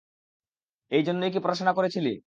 এই জন্যই কি পড়াশোনা করেছিলি?